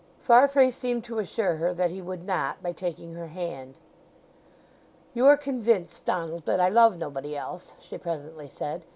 Farfrae seemed to assure her that he would not, by taking her hand. "You are convinced, Donald, that I love nobody else," she presently said.